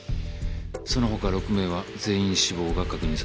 その他６名は全員死亡が確認されました。